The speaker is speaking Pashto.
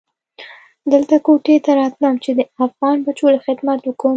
دلته کوټې ته رالم چې د افغان بچو له خدمت اوکم.